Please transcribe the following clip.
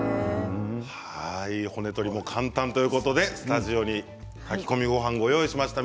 骨取りも簡単ということでスタジオに炊き込みごはんをご用意しました。